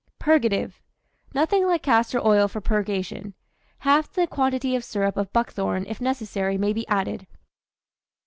PURGATIVE. Nothing like castor oil for purgation; half the quantity of syrup of buckthorn, if necessary, may be added.